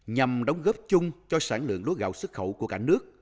nhằm đóng góp chung cho sản lượng lúa gạo xuất khẩu của cả nước